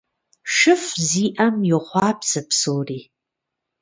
ШыфӀ зиӀэм йохъуапсэ псори.